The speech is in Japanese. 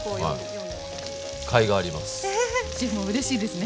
シェフもうれしいですね。